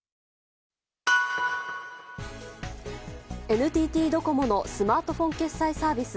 ＮＴＴドコモのスマートフォン決済サービス